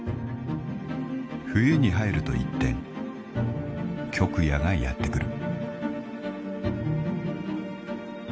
［冬に入ると一転極夜がやって来る］